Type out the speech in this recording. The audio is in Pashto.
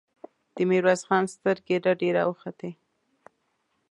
د ميرويس خان سترګې رډې راوختې!